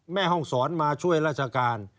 แม่ห้องศรมาช่วยราชการ